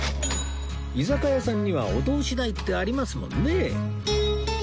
居酒屋さんにはお通し代ってありますもんね